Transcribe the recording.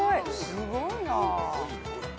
すごいな。